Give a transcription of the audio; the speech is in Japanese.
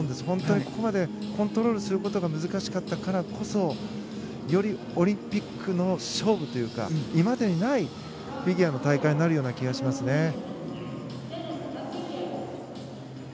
本当にここまでコントロールすることが難しかったからこそよりオリンピックの勝負というか今までにないフィギュアの大会になるような気がしますね。